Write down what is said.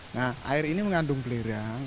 nah air ini mengandung belerang